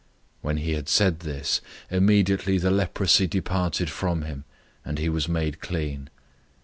001:042 When he had said this, immediately the leprosy departed from him, and he was made clean.